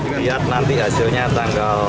kita lihat nanti hasilnya tanggal tujuh